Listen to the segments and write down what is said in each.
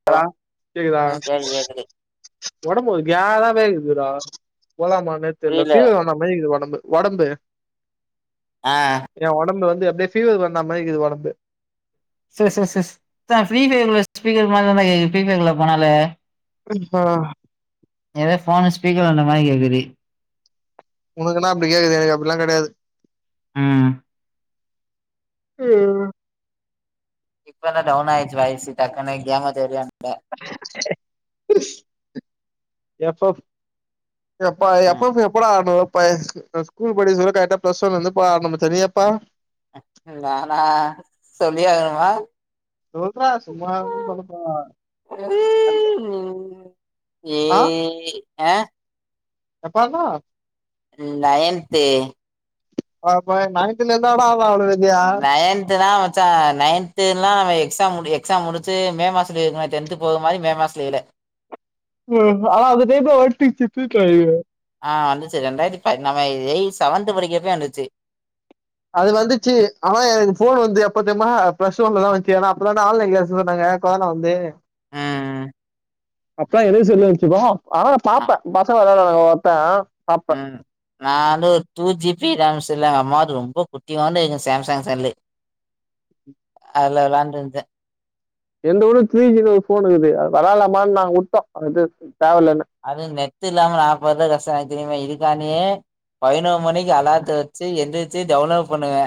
[inaudible] Hello கேக்குதா ம் கேக்குது கேக்குது ஒடம்பு ஒரு கேரவே கீதுடா போலமானே தெர்ல புரியல ஃபீவர் வந்தா மேரிகிது ஒடம்பு ஒடம்பு ஆ எ ஒடம்பு வந்து அப்டியே ஃபீவர் வந்த மாரிகீது ஒடம்பு ச ச ச த்தா ஃபிரீ ஃபைர்ல ஸ்பீக்கர் மாரி தா டா கேக்குது ஃபிரீ ஃபைர் குள்ள போனால [unintelligible] ஏதோ போனு ஸ்பீகர்ல விழுந்த மாரி கேக்குது உனக்குனா அப்டி கேக்குது எனக்கு அப்டிலா கெடையாது ம் ம் டக்குனு டவுனா ஆச்சி வாய்சு டக்குனு கேங்க தெரிய எப்போ எப்பா ம் எப்போப்ப எப்பட ஆனோ பா ஸ்கூல் படிக்க சொல்ல கரெக்டா பிளஸ் ஒன்னு இருந்து பா நம்ம தெரியாப்பா நானா சொல்லியே அகணுமா சொல்றா சும்மாதான பண்ணபோறன் அந்த ஆ [unintelligible] ஆஹ எப்பாக்லா ம் நயன்த்து அபாய் நயன்த்துல இருந்தாடா அவ அவள வச் நயன்த்து நா ச்சா நைன்துலா நம்ம எக்ஸாம் மு எக்ஸாம் முடிச்சு மே மாச லீவுல டென்து போக மாரி மேமாச லீவுல ம் அவ அந்த டைப்பில [unintelligible] ஆ வந்துச்சு ரெண்டாயிரத்தி பதினாலே எய் செவன்த்து படிக்கிறப்பே வந்துச்சு அது வந்துச்சு ஆனா எனக்கு ஃபோன் வந்து எப்பா தெரிமா பிளஸ்ஒன்லதா வந்துச்சு ஏனா அப்பதான ஆன்லைன் கிளாஸ் சொன்னாங்க இப்ப தான வந்தே ம். அப்புலா எது சொல்லச்சுப்பா ஆனா நா அ பாப்ப பசங்க விளாரான ஒருத்த பாப்ப ந வந்து ஒரு டூ ஜிபி ரேம்ஸ் இல்ல எங்க அம்மாவுது ரொம்ப குட்டி ஓன்டு சாம்சங் செல்லு அதுல விளான்ருந்த எந்த ஊரும் த்ரீ ஜி ஒரு ஃபோன் இருக்குது அது வெளாலமானு நாங்க விட்டோ அது தேவலனு அது நெட்டு இல்லாம நாபட்ற கஷ்ட எனக்கு தெரியுமே இதுக்கானே பதினோரு மணிக் அலாத்த வச்சு எந்திரிச்சி டவுன்லோட் பண்ணுவே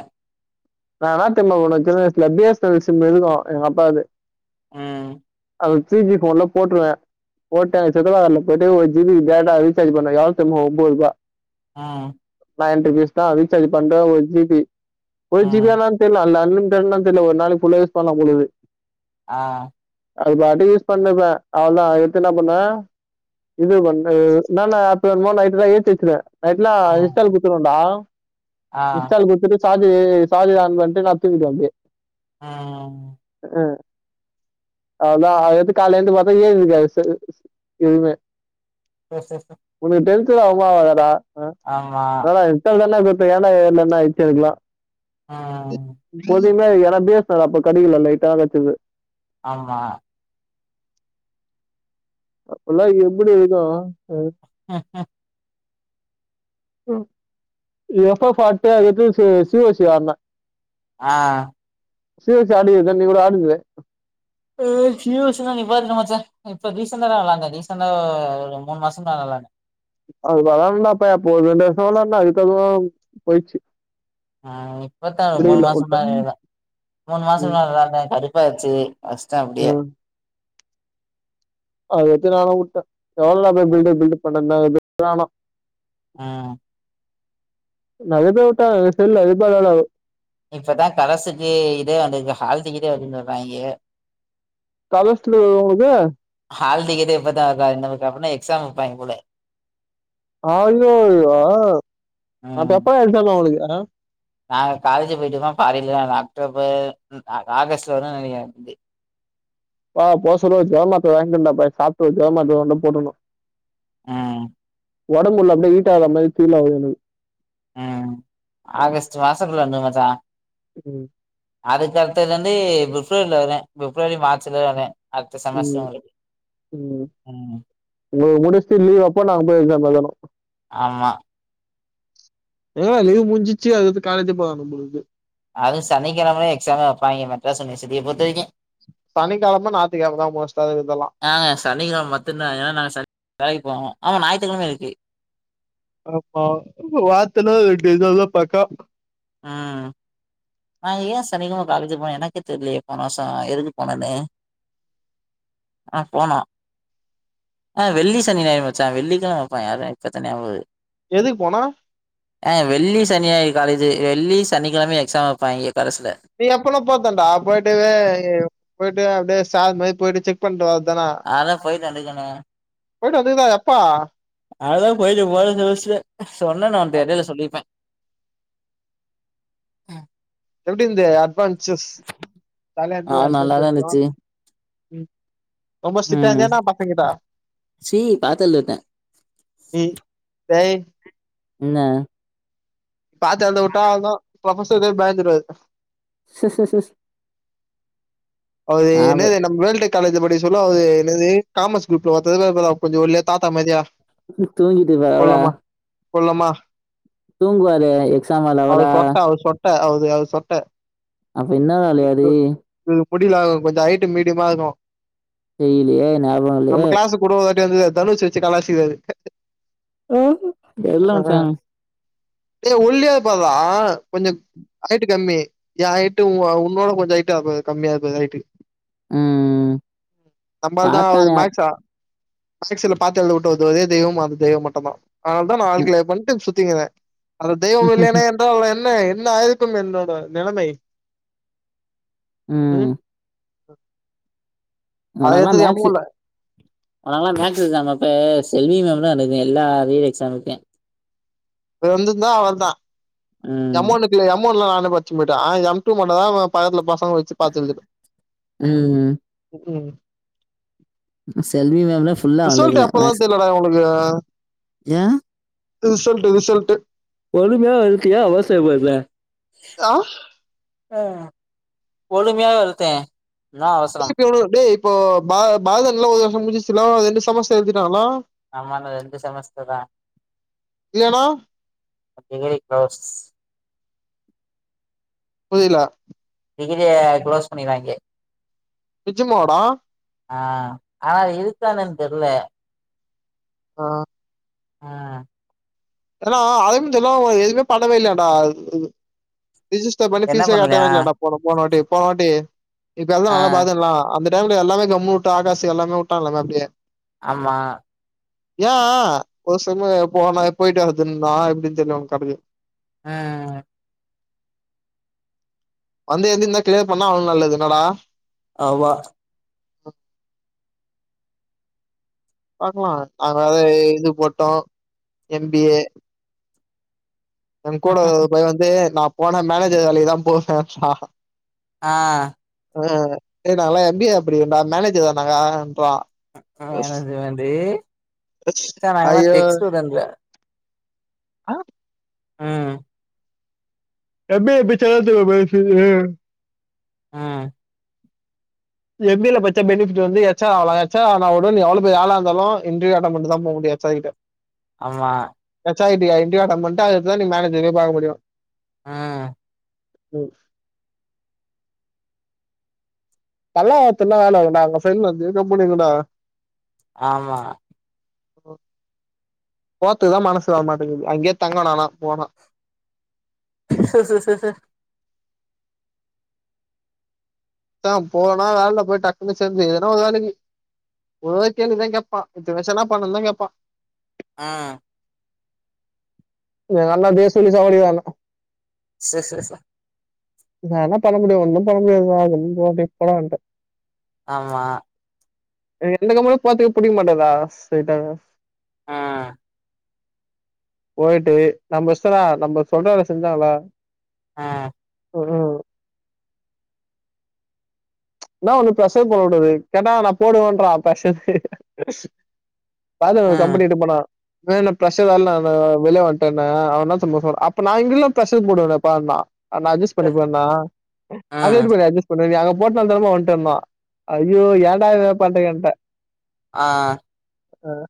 நானாத்தமா பண்ணுவே சின்ன வயசுல பிஸ்னல் சிம் இருக்கு எங்க அப்பாது ம் அது த்ரீ ஜி போன்ல போட்ருவ போட்ட எங்க சித்தப்பா கடைல போய்ட்டு ஒரு ஜிபி டேட்டா ரீசார்ஜ் பண்ணய எவ்ளவு தெரிமா ஒம்பது ரூபா ம் நயன் ருபீஸ் தா ரீச்சார்ஜ் பண்ற ஒரு ஜிபி ஒரு ம். ஜிபியானானு தெரியல அன்லிமிட் த தெரியல ஒரு நாளைக்கு ஃபுல்லா யூஸ் பண்ணல பொழுது ஆ அது பாட்டுக்கு யூஸ் பண்ணிருப்பே அவளதா அதுக்கு அடுத்து என்ன பண்னுவ இது ப என்னனா பேர்லா நைட்லாம் ஏத்தி வச்சிடுவ நைட்லா ம். இன்ஸ்டால் குடுத்துடுவன்டா ஆ. இன்ஷ்டால் குடுத்துட்டு சார்ஜ் சார்ஜ் ஆன் பன்டு நா துங்கிடுவ அப்டியே ம் அ அதா அது கால்ல எழுந்து பாத்த இதுமே ச ச ச உனக்கு டென்சன் ஆகுமா ஆகாதா டா ஆமா ஆனா இத்தன நாளா கெத்து ஏனா என்ன ஆயிச்சு இருக்கலா ஆ பொதுவா ஏனா பேசினாரு அப்ப கடில லைட்டா கடச்சயது ஆமா அப்பலா எப்டி இருக்கு ம் ம் ம் எப்போ பாத்தா எது சி ஓ சி ஏர்னா ஆ சி ஓ சி ஆடினது தா நீ கூட ஆடிது அ சி ஓ சி னா நிப்பாட்டிரு மச்சா இப்போ ரீசண்டா தா நல்லா இருந்தே ரீசண்டா ஒரு மூணு மாசம் தா நல்லா இருந்த அதுலா இல்ல அப்ப இப்போ ரெண்டு வருசம்ல்லா இதுக்கு அதுவு போயிச்சு ஆ இப்பத்தா மூணு முடியல வுட்டே மாசமா இருக்குற மூணு மாச ம் வேல தான கருப்பாயிச்சு வச்டே ஆ அப்டியே அது எத்த நானு வுட்டே எவ்ளோ போய் பில்டு பில்டு பண்ணந்த ஆனு ஆ நறைய பேர் உட்டா செல் ரிப்போரா தா ஆகூ இப்பதா கரஸ்சுக்கு இதே வந்துருக்கு ஹால் டிக்கெட்டே வருதூன்னு சொல்றாங்கே கரஸ்சுலா இருக்கிறவங்களுக்கு ஹால்டிக்கெட்டே இப்பதா வர்த்தா ‌இன் நமக்கு அப்புட்னா எக்ஸாம் வெப்பாங்க போல ஆய்யய்யோ அப்ப ம் எப்ப எக்ஸாம் அவுங்ளுக்கே நாங்க காலேஜ் போயிட்டுமா பாதில அ அக்டோபர் ம் அ ஆகஸ்ட்ல தா நெனைக்கிறே எனக்கு தெரிஞ்சு பா போசொலெ ஒரு ஜெரோ மாத்திர வாங்கிண்டா பாவி சாப்ட்டு ‌ஒரு ஜெரமாத்தர ‌ஒன்னூ போட்டுன்னோ அ ‌ஒடம்பு உள்ள அப்டியே ஹீட் ஆகுற மேரி ஃபீல் ஆகுது எனக்கு ம் ஆகஸ்ட் மாசத்துல வந்தூரு மச்சா ம் அதுக்கடுத்தது வந்து பிஃப்ரவரில வரே பிஃப்ரவரி மார்ச்ல தா வரே அடுத்த செமஸ்டர் ம் உங்களுக்கு ம் ம் இங்கோ முடிச்சுட்டு லீவ் அப்போ நாங்க போய் எக்ஸாம் எழுதணோ ஆம்மா எங்கடா லீவ் முஞ்சிச்சு அடுத்துக்கடுத்து காலேஜ் போலா நம் நம்புளுக்கு அதுவூ சனிக்கிழம எக்ஸாமே வைப்பங்க மெட்ராஸ் யூனிவர்சிட்டி பொறுத்த வரைக்கூ சனிக்கிழம ஞாயித்துக்கிழம தா மோஸ்ட்டா இதெல்லா ஏங்க சனிக்கிழமை மட்டுந் தா ஏன்னா நாங்க வேலைக் போவோ ஆனா ஞாயித்துக்கிழம இருக்கு ஆமா வார்த்தில ரெண்டு நாள் தா பக்கா ம் நா ஏ சனிக்கிழம காலேஜ்க்கு போனே எனக்கே தெரியலியே போன வருஷோ எதுக்கு போனேன்னு ஆனா போனோ ஆ வெள்ளி சனி ஞாயிறு மச்சா வெள்ளி கெழம வெப்பாங்க அது எக்ஸ்ட்ரா தனியா போதூ எதுக்கு போனோ ஆ வெள்ளி சனி ஞாயிறு காலேஜ் வெள்ளி சனிக்கிழம எக்ஸாம் வைப்பாங்கே கரஸ்சுல நீ எப்பன்னா போர்த்தன்டா போய்ட்டு போயிட்டு அப்டியே சார்மேரி போயிட்டு செக் பண்ட்டு வரத்தானே அதலா போயிட்டு வந்துகுனூ போய்ட்டு வந்துகுதா எப்ப அதாலா போயிட்டு போன செமஸ்டர்ல சொன்னே நா உண்ட யார் கிட்டயாவதூ சொல்லிரிப்பே எப்டிந்து அட்வான்ச்சர்ஸ் ஜாலியா ஆ இருந்ததா நல்லாதா அட்வென்சர்ஸ் டான் இருந்துச்சு ம் ரொம்ப ஸ்ட்ரிக்ட்டா ம் இருந்தியான்னா பசங்கிட்ட சீ பாத்துழுதுட்டே இ தை என்ன பாத்து அத உட்டா அவ்ள்தா போக சொல்வே பயந்துருவாரு சு சு சு அது ஆவு என்னது நம் வேல் டெக் காலேஜ்ல படிக்க சொல்லு அவூது என்னது காமர்ஸ் குரூப்ல ‌ஒர்த்தர் இர்ந்தார் பார்டா கொஞ்சோ ஒல்லியா தாத்த மாரியே தூங்கிட்டு இருப்பாரோ அவ்ரா குள்ளமா தூங்குவாரு எக்ஸாம் ஹால்ல அவரா அவர் சொட்ட அவர் சொட்ட அவுது அவுது சொட்ட அப்ப இன்னேர் ஆளூ யாரூ முடிலாதவுங் கொஞ்சோ ஹயிட்டு மீடியமா இருக்கோ தெர்லிலேயே ஞாபகோ வர்லியே கிளாஸு கூட ஒரு வாட்டி வந்து தனுஷ் வெச்சு கலாய்ச்சிக்ராரு வல்லவன் சாங் இல்ல ஒல்லியா இருப்பா அவ கொஞ்சோ ஹயிட்டு கம்மி எயா ஹயிட்டு உ உன்னோட கொஞ்சோ ஹட்டு கம்மியா இருப்பாரு ஹயிட்டு ம் நம்மால் தா பாத்தா அவளுக்கு ஞாப் மேக்சா மேக்ஸ் அதுல பாத் எழுவுட்ட வந்த ஒரே தெய்வம் அந்த தெய்வம் மட்டுதா அதனாலாதா நா ஆல் க்ளியர் பண்ணிட்டு சுத்தின்கிறே அந்த தெய்வோ இல்லேனா என்றால் என்ன என்ன ஆயிருக்கு என்னோட நிலைமை ம் அத உனக்குனா எடுத்தது மேக்ஸு எம்ஒன்ல உனக்குனா மேக்ஸ் எக்ஸாம் அப்ப செல்வி மேம் தா என எல்லா ரீல் எக்ஸாமுக்கே இப்ப இருந்திருந்தா வந்துதா அவர்தா ம் எம் ஒன்னுக் நீங்க எம் ஒன்லா நானே பச்சின் போய்டே ஆனா எம் டூ மட்டு தா பக்கத்துல பசங்க வெச்சி வெச்சி பாத்து எழுதுன ம் க்கும் செல்வி மேம்லா ரிசல்ட்டு எப்பதா தெர்லடா இவுங்களுக்கு ஏயா ரிசல்ட்டு ரிசல்ட்டு பொறுமையா இருக்கு எயா அவசர பட்ற ஆ பொருமையாவே வரட்டோ திலீப் எவனோ டேய் இப்போ பா பாய்தன்ல ஒரு வருஷோ முடிஞ்சில்ல இரண்டு சமஸ்டர் எழுதிட்டாங்ல ஆமா டா ரெண்டு செமஸ்ட்டர்டா இல்லையானா டிகிரி குளோஸ் புரில டிகிரிய குளோஸ் பண்ணிறாங்கே நிஜமாவா டா ஆ ஆனா இருக்கா இன்னான் தெர்ல ஆ ஆ ஏன்னா அரவிந்த் எல்லா எதுவுமே பண்ணவே இல்லையான்டா இது ரிஜிஸ்டர் பண்ணி என்ன பீஸே கட்டவே பண்ணலையா இல்லையான்டா போ போன போனவட்டி இப்ப எழுதுனவே ஆ எல்லா பாத்தோம்ல அந்த டைம்ல எல்லாமே கம்முனுவுட்டு ஆகாசு எல்லாமே உட்டாங்ளாமே அப்டியே ஆமா ஏயா ஒரு சம்மு போனா போயிட்டே எழுனுன்னா எப்டின்னு தெர்ல அவுனுக் கணக்கு ஆ வந்து எழுதிருந்தா கிளியர் பண்ணா அவுனுக்கு நல்லதுனாடா ஆமா பாக்லா அதனால இது போட்டோ எம் பி ஏ எங்கூட ஒரு பைய வந்து நா போனா மேனேஜர் வேலக்குதா போவேன்றா அ அ ஏ நாங்கல்லா எம் பி ஏ படிக்கிறோ டா மேனேஜர்டா நாங்க அப்டின்றா மேனேஜ்மென்ட்டு ச்ச நாங்க எல்லா டெக்ஸ் ஸ்டூடண்டு அ ம் எம் பி ஏ படிச்சா தான்டா அந்த மாரி சொல்லுவே அ எம் பி ஏ ல பச்சா பெனிஃபிட் வந்து எச் ஆர் ஆவலா எச் ஆர் ஆனா கூடோ நீ எவ்ளோ பெரிய ஆளா இருந்தாலு இன்டர்வியூ அட்டன் பண்ட்டு தா போமுடியு எச் ஆர் கிட்ட ஆமா எச் ஆர் கிட்டய இண்ட்ருவியூ அட்டன் பண்ட்டு அதுக்கு அடுத்துதா நீ மேனேஜரயே பாக்க முடியு அ ம் பல்லாவரத்துல வேலக்குண்ணா அங்க ஃப்ரண்ட் வந்து கம்பனிக்குணா ஆமா போறத்துக்குதா மனசு வரமாட்டங்குது அங்கே தங்கணு ஆனா போனா ம் தா போனா வேல்ல போய் டக்குனு சேந்து எதுனா ஒரு வேலக்கி ஒரே ஒரு கேள்விதா கேப்பா மித்த வெஷல்லா பணந்தா கேப்பா அ இங்க நல்லா பேச சொல்லி சாவடிக்குரண்ணுக்கோ சேர் சார் நா என்ன பண்ண முடியு ஒன்னு பண்ண முடியாது வா அப்டின் போ அப்டி இப்பதா வன்ட்ட ஆமா எனக்கு எந்த கம்பெனிக்கு போறத்துக்கு புடிக்கமாட்டதுறா ஸ்ட்ரெய்ட்டா அ போயிட்டு நம்ப இஷ்டதா நம்ப சொல்ற வேலைய செஞ்சாங்களா அ ம்ம் இன்னா ஒண்ணு ப்ரஷர் போடவுடாது கேட்டா நா போடுவோன்றா பிரஸர் பாதவு ஒரு ம் கம்பெனி இட்டுபோனா வேல ப்ரஷர் வேலண்ணனு நா வெளிய வன்ட்டண்ணன் அவ இன்னா தெரிமா சொல்றா அப்ப நா இங்கல்லா பிரெஷர் போடுவேனப்பான்னா நா அஜஸ் ம் பண்ணிக்குவண்ணா ம் அதெப்டிபா நீ அஜஸ் பண்ணுவ நீ அங்க முட்டாள்தனமா வன்ட்டன்னா ஐயோ ஏண்டா இதமாரி பண்றீங்கன்ட்ட அ வேற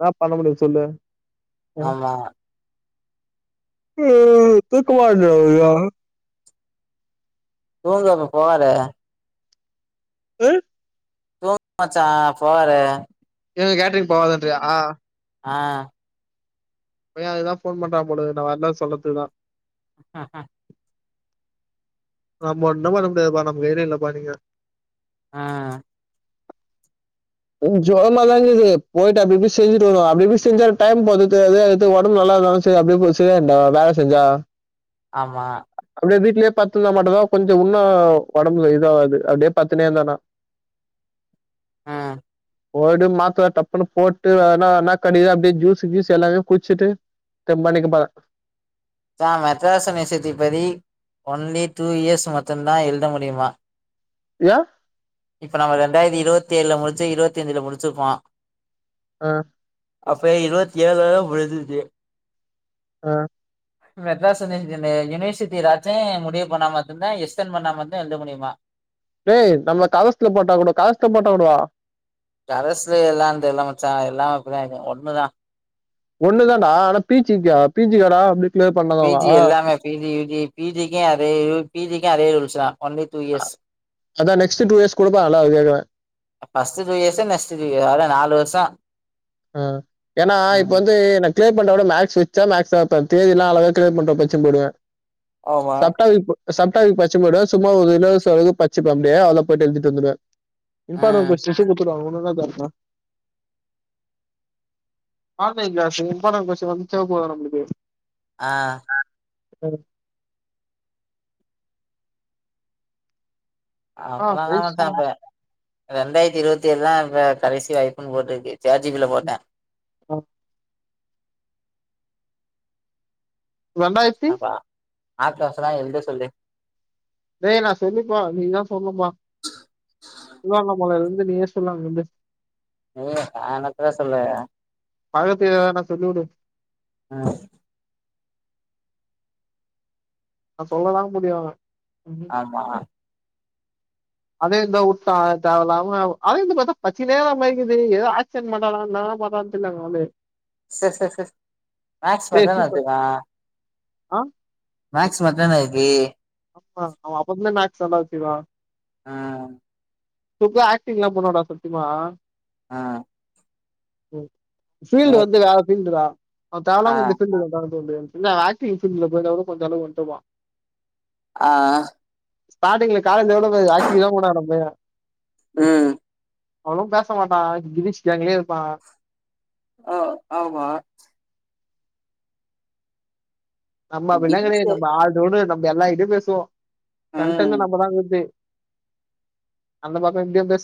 னா பண்ண முடியு சொல்லு ஆ. ஆமா கே தூக்கமா வருதுடா எனக்கு தூங்கு அப்ப போவாத ம் [unintelligible] மச்சான் போவாரு சொன்னாரு இனிமே கேட்ரிங் போவாதன்றியா அ இப்பயு அதுக்குதா ஃபோன் பண்றா போலக்குது நா வர்ல சொல்றத்துக்குதா நம்ம ஒன்னு பண்ண முடியாதுபா நம்ம ஏரியா இல்லப்பா நீங்க அ கொஞ்ச ஜொரமா தானங்குது போயிட்டு அப்டிப்டி செஞ்சுட்டு வருவோ அப்டிப்டி செஞ்சா டைம் போறது தெரியாது அத்து ஒடம்பு நல்லான்னா செரி அப்டி போ செய்யாண்டா வேல செஞ்சா ஆமா அப்டியே வீட்லே பத்துந்தா மட்டுதா கொஞ்சொ உன்னொ ஒடம்புல இதாவாது அப்டியே பத்துனேந் தானா ஆ போடு மாத்ர டப்புன்னு போட்டு என்னா அனா கடிக்தொ அப்டியே ஜூஸு கீஸு எல்லாமே குடிச்சிட்டு தெம்பானிக்கு பா தா மெட்ராஸ்சு மெசேஜ் படி ஓன்லி டூ இயர்ஸ் மட்டுந்தா எழுத முடிமா ஏ இப்ப நம்ம ரெண்டாயர்த்தி இருவத்தி ஏழுல முடிச்சு இருவத்தஞ்ல முடிச்சிருப்போ ஆ அப்ப இருவத்தி ஏழுலத முடுஞ்ச்சி ஆ மெட்ராஸ் யுனிவர்சிட்டின யுனிவர்சிட்டிராச்சுமுடிவு பண்ணா மட்டுதா எஸ்டன் பண்ணா மட்டுதா எழுத முடியுமா லே நம்ம கரஸ்த்ல போட்டா கூட கரஸ்த்துல போட்டா கூடவா கரஸ்சுல எல்லா தெர்ல மச்சா எல்லா இப்பதா ஒண்ணுதா ஒண்ணு தான்டா ஆனா பீச்சிக்கா பீச்சிக்கடா அப்டி பி ஜி எல்லாமே பி ஜி யு ஜி பிஜிக்கு அதே ரூல் பிஜிக்கு அதே ரூல்ஸ் தா ஒன்லி டூ இயர்ஸ் அதா நெக்ஸ்ட் டூ இயர்ஸ் குடுப்பாகல அது கேக்குற ஃபஸ்ட ஜூயஸு நெஸ்ட் ஜூய அதா நாலு வருஷொ அ ஏனா இப்ப வந்து எனக் கிளர் பண்றவ ஆனா மேக்ஸ் வச்சா மேக்ஸ்தா வப்பே தியரிலா அழகா கிளர் பண்றவ படிச்சினு போய்டுவே ஆமா சப்டா விப்பு சப்டாவியிப் படிச்சினு போய்டுவ சும்மா ஒரு இலஸ் ஆயி பச்சுப்ப அப்டிய அதுல போயிட்டு எழுதிட்டுவந்தருவே இம்பார்ட்டன் ம் கொஷ்டீன்ஸ் குடுத்துவாங்க ஒன்னு ஓன்னா பெரட்னா ஆன்லைன் கிளாஸு இம்பார்டண்ட் கொஸ்டீனு வந்துச்சா போது நம்மளுக்கு ஆ அ ம் ஆ அப்பலல்லா வண்ட்டா ஆ. இப்ப ரெண்டாயித்தி இருவத்தி ஏழுதா இப்ப கடைசி வாய்ப்புன்னு போட்ருக்கு சேர் ஜிபில போட்டே ம் ரெண்டாயிரத்தி அபா ஆப்சன்ஸ் லா எழுத சொல்லு டே நா சொல்லிப்ப நீ தா சொல்னுமா திருவணாமலலேந்து நீயே சொல்லு அங்கர்ந்து ஐயோ அவன பே சொல்லு பக்கத்துல நான் சொல்லிவிடு அ நா சொல்லதா முடியாதா ம் எம்மா அதே எழுதா உட்டா தேவலாம அவ அவ எழுத்த பாத்தா பச்சினே வர மாரிக்கிது எதோ ஆச் டென்சன் பன்றானா இனா பன்றானு தெர்ல அங்க வந்து செர் செர் செர் மேக்ஸ் மட்னா எடுத்கவா ஆ மேக்ஸ் மத்தென்ன இருக்கி ஆ அவ அப்பமே மேக்ஸ்தாண்டா வச்சிர்க்கா ம் பெரிய ஆக்டிங்லா பண்வான்டா சத்திமா அ ம் மே ஃபீல்டு வந்து வேற ஃபீல்டு டா அவ ஆ தேவலாம இந்த ஃபீல்டுல இருக்கானு தோனுது இல்ல அவ ஆக்டிங் ஃபீல்டுல போயிர்ந்தா கூட கொஞ்ச அளவுக்கு வன்ட்டுர்ப்பா ஆ ஆ ஸ்டி்ல காலே [unintelligible] [unintelligible] எ்ளோ ஆகி் தான் போட நம்பே [unintelligible] ம் அவ்ளோ பேச மாட்டா கிரிஷ் கேங்ளே இருப்பா அ ஆமா நம்ம அப்டிலாகெடது கிரீஸு நம்ப ஆள்ரோண்டு நம்ம எல்லார் கிட்டயொ பேசுவோ ஆ. கண்டன் நம்மதா விது அந்த பாத்தம் [unintelligible]